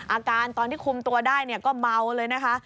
อาการตอนที่คุมตัวได้ก็เมาเลยนะคะ